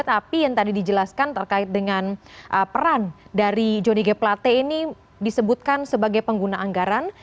tapi yang tadi dijelaskan terkait dengan peran dari jonny g plate ini disebutkan sebagai pengguna anggaran